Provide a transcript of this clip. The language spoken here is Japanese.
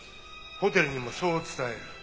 ホテルにもそう伝える。